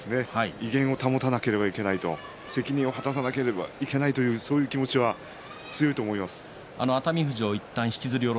威厳を保たなければいけない責任を果たさなければいけないという気持ちは強いと思いますね。